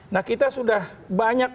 nah kita sudah banyak